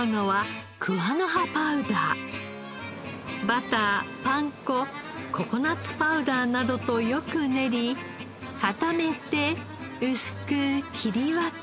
バターパン粉ココナッツパウダーなどとよく練り固めて薄く切り分け。